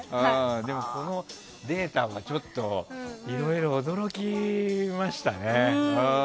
でもこのデータはちょっといろいろ驚きましたね。